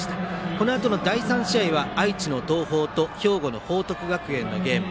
このあとの第３試合は愛知の東邦と兵庫の報徳学園のゲーム。